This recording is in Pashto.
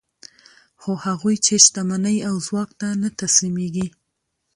خو هغوی چې شتمنۍ او ځواک ته نه تسلیمېږي